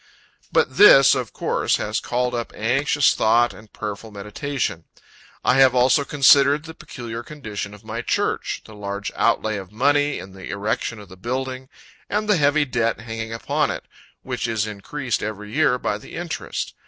But this, of course, has called up anxious thought and prayerful meditation. I have also considered the peculiar condition of my church the large outlay of money in the erection of the building, and the heavy debt hanging upon it, which is increased every year by the interest.